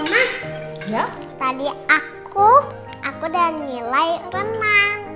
omah tadi aku aku udah nilai renang